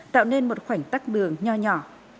tạo nên một khoảnh tắc đường nho nhỏ